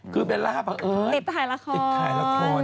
ติดถ่ายละคร